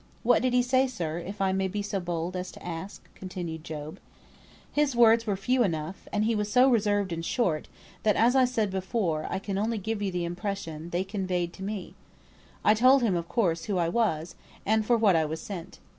"What did he say, sir, if I may be so bold as to ask?" continued Job. "His words were few enough, and he was so reserved and short, that as I said before, I can only give you the impression they conveyed to me. I told him of course who I was, and for what I was sent.